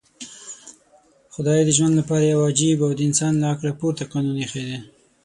خدای د ژوند لپاره يو عجيب او د انسان له عقله پورته قانون ايښی.